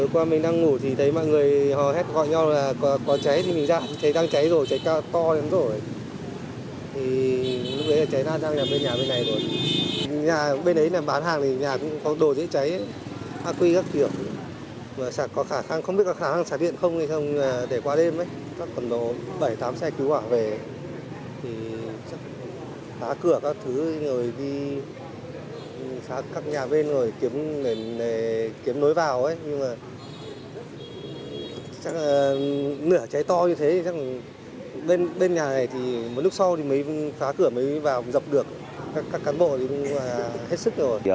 các nhà bên kiếm nối vào nhưng nửa cháy to như thế bên nhà này một lúc sau phá cửa mới vào dọc được các cán bộ hết sức rồi